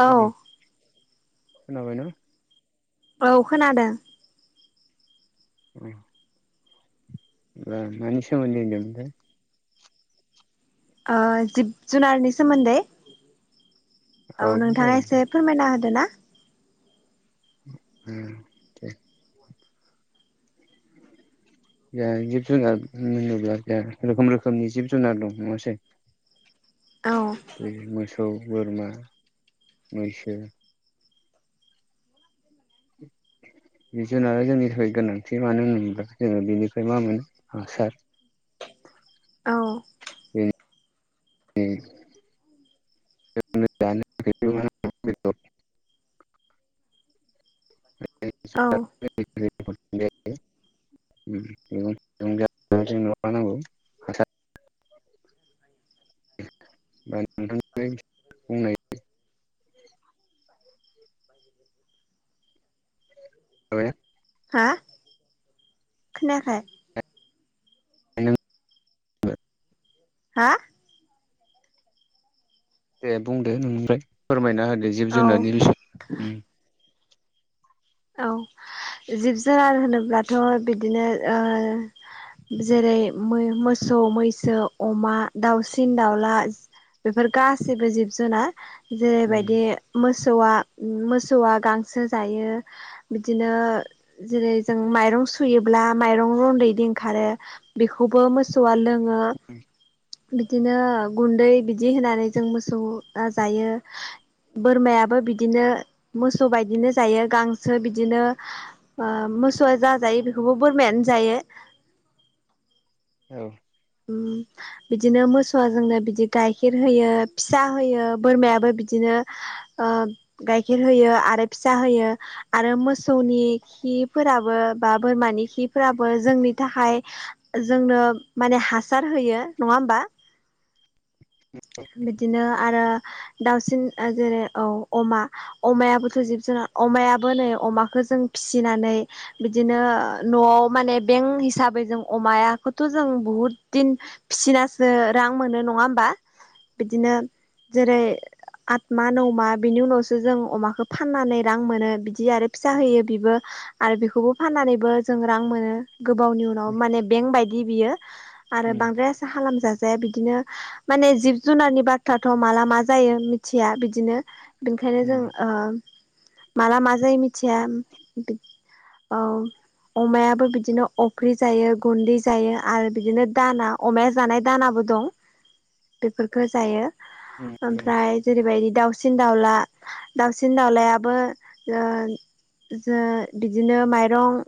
औ खोनाबायना‌ औ खोनादों औ बे मानि सोमोन्दै होनदोंमोनथाय जिब-जुनारनि सोमोन्दै औ नोंथाङा जागोन दे एसे फोरमायना होदो ना [unintelligible] [inaudible] दे जिब जुनार होनोब्ला ज रोखोम रोखोमनि जिब जुनार दं नङासै औ बे मोसौ, बोरमा, मैसो [inaudible] जिब-जुनार जोंनि थाखाय गोनांथि मानो होनोब्ला जोङो बेनिफ्राय मा मोनो हासार औ [unintelligible] [inaudible] औ [unintelligible] [unintelligible] [inaudible] [inaudible] [unintelligible] जाबायना हा खोनायाखै आनो हा दे बुंदो, नोंनिफ्राय फोरमायना होदो, औ जिब-जुनारनि बिस औ जिब-जुनार होनोब्लाथ' बिदिनो जेरै मोसौ, मैसो, अमा, दाउसिन-दाउला बेफोर गासिबो जिब-जुनार उम जेरैबायदि मोसौआ मोसौआ गांसो जायो बिदिनो जेरै- जों माइरं सुयोब्ला माइरं रन्दैदि ओंखारो बेखौबो मोसौआ लोङो। बिदिनो गुन्दै बिदि होनानै जों मोसौआ जायो बोरमायाबो बिदिनो मोसौ बायदिनो जायो गां सो बिदिनो ओ मोसौआ जा जायो बेखौबो बोरमायानो जायो [inaudible] औ बिदिनो मोसौआ जोंनो बिदि गाइखेर होयो, फिसा होयो, बोरमायाबो बिदिनो ओ गाइखेर होयो आरो फिसा होयो आरो मोसौनि खि फोराबो बा बोरमानि खिफोराबो जोंनि थाखाय जोंनो माने हासार होयो नङा होमबा बिदिनो आरो दाउसिन जेरै औ अमा अमायाबोथ' जिब जुनार अमायाबो नै अमाखौ जों फिसिनानै बिदिनो न'आव माने बेंक हिसाबै जों अमयाखौथ' जों बुहुद दिन फिसिनासो रां मोनो नङा होमबा बिदिनो जेरै आतमा नौमा बिनि उनावसो जों अमाखौ फाननानै रां मोनो बिदि आरो फिसा होयो बिबो आरो बेखौबो फाननानैबो जों रां मोनो गोबावनि उनाव माने बेंक बायदि बियो आरो उम बांद्राय खालामजा जाया बिदिनो माने जिब जुनारनि बाथ्रााथ' माला मा जायो मिथिया बि दिनो बेनिखायनो जों उम ओ माला मा जायो मिथिया औ अमायाबो बिदिनो अफ्रिर जायो गुन्दै जायो आरो बिदिनो दाना अमाया जानाय दानाबो दं बेफोरफोरखो जायो उम नंगौ ओमफ्राय जेरैबायदि दाउसिन दाउला दाउसिन दाउलायाबो ओ जो बिदिनो माइरं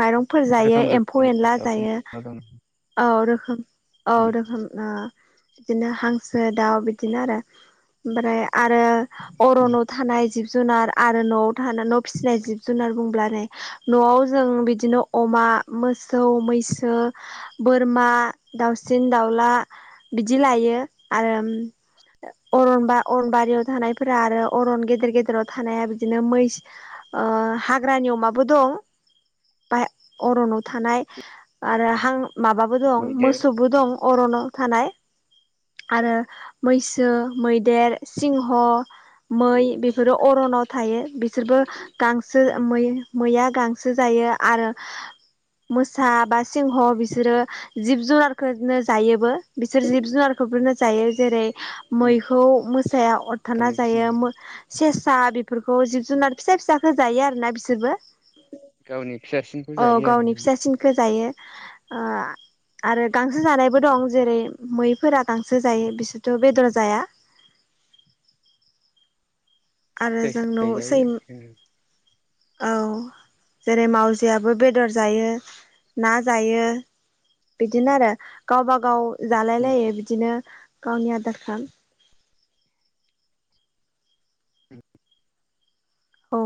माइरंफोर जायो रोखोम एम्फौ रोखोमनि एनला दाउसिन अ दं रखोम अ उम रखोम ओ बिदिनो हांसो दाउ बिदिनो आरो ओमफ्राय आरो उम अ'रनाव थानायाना जि बे जुनार आरो न'आव थानाल' फिसिनाय जिब जुनार बुंब्ला नै न'आव जों बिदिनो अमा आ मोसौ मै सो बोरमा दाउसिन दाउला बिदि लायो आरो अ'रनबा अ'रनबारियाव थानायफोरा आरो अ'रन गेदेर गेदेराव थानाया बिदिनो मैसो ओ हाग्रानि अ'माबो दं बाय अरनाव थानाय आरो हां माबाबो दं मैदेर मोसौबो दं अ'रनआव थानाय आरो मैसो मैदेर सिंह' मै बेफोरो अ'रनाव थायो बिसोरबो गांसो उम मै - मैया गांसो जायो आरो मोसा बा सिंह' बिसोरो जिब जुनारखोनो जायोबो बिसोर जिब जुनारखौनो जायो जेरै उम मैखौ मोसाया अ'रथा गावनि उम जायो सेस सा बेफोरखौ जिब जुनार फिसा फिसाखो जायो आरोना बिसोरबो गावनि फिसासिनखौ औ जायो आरो गावनि फिथाइ फिसासिनखो ओ आरो गांसो जानायबो दं जेरै मैफोरा गांसो जायो बिसोरथ' बेदर जाया [inaudible] आरो जोंन' सामथाइ सै जायो औ जेरै मावजियाबो बेदर जायो ना जायो बिदिनो आरो गावबा गाव जालाय उम लायो बिदिनो गावनि आदार खो औ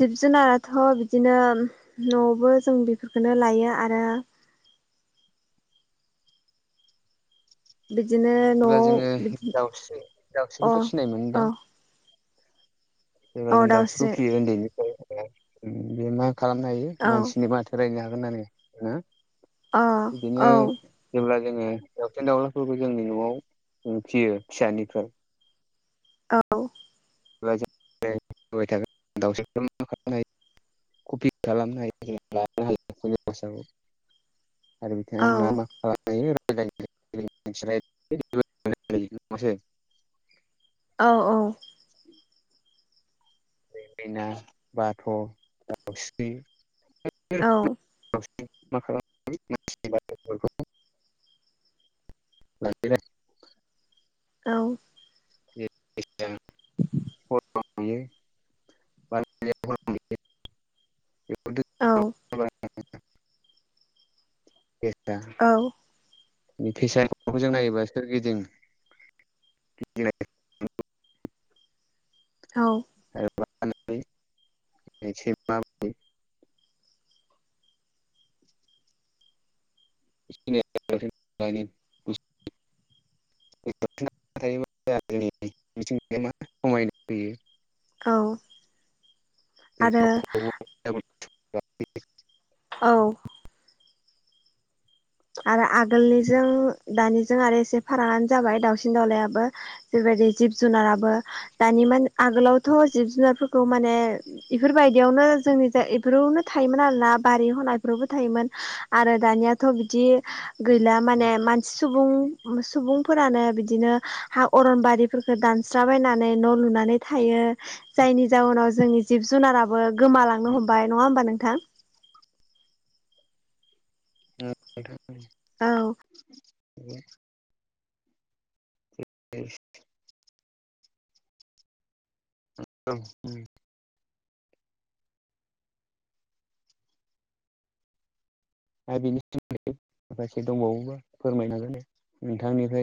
जिब जुनाराथ' बिदिनो न'आवबो जों बेफोरखोनो लायो आरो बिदिनो न' जेब्ला जोङो बिदि दाउस्रि अ दाउस्रिखौथ' अ सोरबा जों दाउस्रिखौ फियो ओन्दैनिफ्रायनो बे मा, खालामनो हायो औ मानसिनि माथो रायलायनो हागोन होननानै ना? अ बिदिनो औ जेब्ला जोङो दावसिन दावलाफोरबो जोंनि न'आव फियो फिसानिफ्राय, औ [unintelligible] कपि खालामो हायो। [unintelligible] औ आरो [unintelligible] [unintelligible] औ औ। देनेना बाथ' दाउस्रि औ। [unintelligible] [unintelligible] औ। [unintelligible] [inaudible] [unintelligible] फैसा औ औ फैसाखौ जों नायोबा सोरगिदिं [unintelligible] औ। [unintelligible] [unintelligible] [unintelligible] औ आरो। नोंथां। [unintelligible] औ। आरो आगोलनिजों दानिजों आरो एसे फारागानो जाबाय दाउसिन दाउलायाबो जिब जुनाराबो दानि आगोलावथ' जिब जुनारफोरखौ माने इफोरबायदि आव इफोरावनो जोंनि जाय इफोरावनो थायोमोन आरो ना बारियाव होनाय फोरावबो थायोमोन आरो दानियाथ' बिद बिदि गैला माने मानसि सुबुंफोरानो बिदिनो हा अरन आरिफोरखौ दाननानै न' लुनानै थायो जायनि जाउनाव जोंनि जिब जुनाराबो गोमालांनो हमबाय नङा होमबा नोंथां। औ। [unintelligible] [unintelligible] दा बिनि सोमोन्दै माखासे दंबावबो फोरमायनो हागोन दे नोंथांनिफ्राय